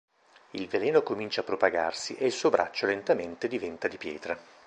Il veleno comincia a propagarsi e il suo braccio lentamente diventa di pietra.